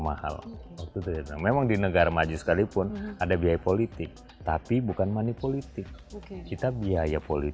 mahal waktu itu memang di negara maju sekalipun ada biaya politik tapi bukan money politik kita biaya politik